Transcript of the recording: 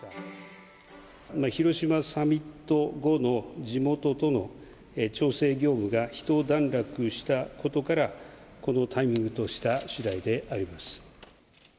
広島サミット後の地元との調整業務がひと段落したことから、このタイミングとしたしだいであります。